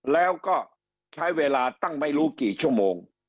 แล้วก็ใช้เวลาตั้งไม่รู้กี่ชั่วโมง